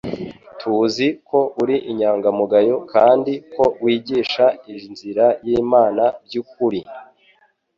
"Tuzi ko uri inyangamugayo kandi ko wigisha inzira y'Imana by'ukuri."